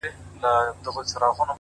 o څڼي سرې شونډي تكي تـوري سترگي،